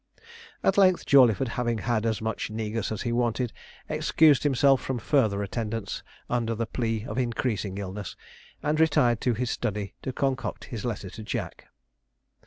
At length Jawleyford, having had as much negus as he wanted, excused himself from further attendence, under the plea of increasing illness, and retired to his study to concoct his letter to Jack.